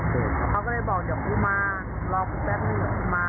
เขาก็เลยบอกเดี๋ยวกูมารอกูแป๊บนึงเดี๋ยวกูมา